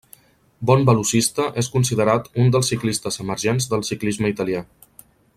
Bon velocista, és considerant un dels ciclistes emergents del ciclisme italià.